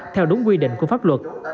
theo đúng quy định của pháp luật